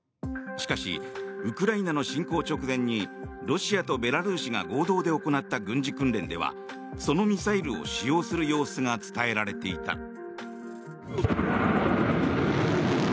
しかし、ウクライナの侵攻直前にロシアとベラルーシが合同で行った軍事訓練ではそのミサイルを使用する様子が伝えられていた。